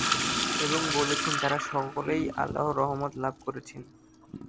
এবং বলেছেন তারা সকলেই আল্লাহর রহমত লাভ করেছেন।